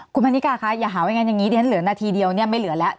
คุณพันนิกาคะอย่าหาว่างั้นอย่างนี้เดี๋ยวฉันเหลือนาทีเดียวเนี่ยไม่เหลือแล้ว